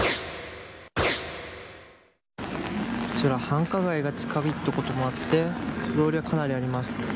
こちら繁華街が近いということもあり人通りはかなりあります。